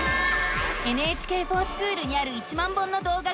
「ＮＨＫｆｏｒＳｃｈｏｏｌ」にある１万本のどうががあらわれたよ。